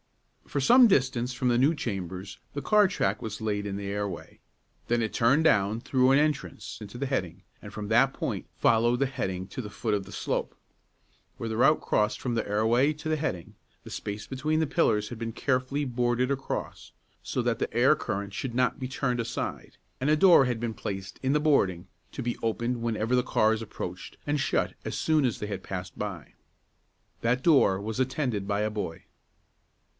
For some distance from the new chambers the car track was laid in the airway; then it turned down through an entrance into the heading, and from that point followed the heading to the foot of the slope. Where the route crossed from the airway to the heading, the space between the pillars had been carefully boarded across, so that the air current should not be turned aside; and a door had been placed in the boarding, to be opened whenever the cars approached, and shut as soon as they had passed by. That door was attended by a boy.